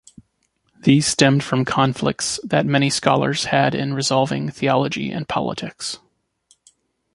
These stemmed from conflicts that many scholars had in resolving theology and politics.